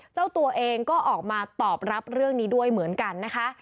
เจ้าตัวเองก็ออกมาตอบรับเรื่องนี้ด้วยเหมือนกันนะคะ